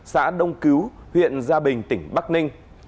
xã đông cứu huyện gia bình tỉnh bắc ninh